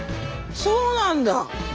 そうなんだ！